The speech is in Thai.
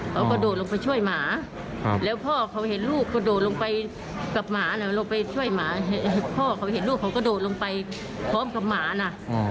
เขาก็โดดลงไปช่วยหมาครับแล้วพ่อเขาเห็นลูกก็โดดลงไปกับหมาน่ะ